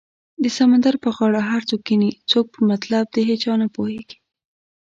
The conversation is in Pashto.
د سمندر په غاړه هر څوک کینې څوک په مطلب د هیچا نه پوهیږې